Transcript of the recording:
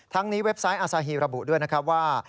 นี้เว็บไซต์อาซาฮีระบุด้วยนะครับว่า